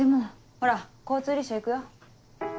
ほら交通立哨行くよ。